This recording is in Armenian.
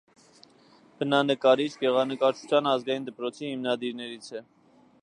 Բնանկարիչ, գեղանկարչության ազգային դպրոցի հիմնադիրներից։